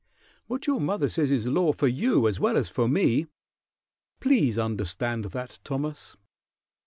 What your mother says is law for you as well as for me. Please understand that, Thomas."